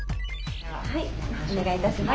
はいお願いいたします。